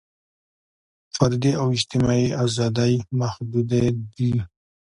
فردي او اجتماعي ازادۍ محدودې دي.